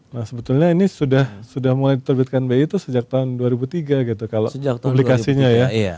nah sebetulnya ini sudah mulai diterbitkan bi itu sejak tahun dua ribu tiga gitu kalau publikasinya ya